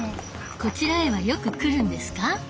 こちらへはよく来るんですか？